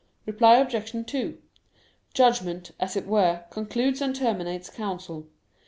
Reply Obj. 2: Judgment, as it were, concludes and terminates counsel.